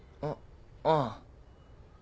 あああ。